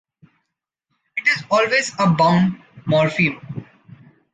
It is always a bound morpheme.